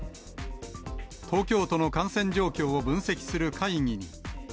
東京都の感染状況を分析する会議に。